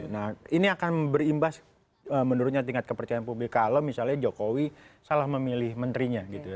nah ini akan berimbas menurutnya tingkat kepercayaan publik kalau misalnya jokowi salah memilih menterinya gitu ya